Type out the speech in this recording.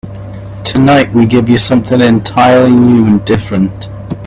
Tonight we give you something entirely new and different.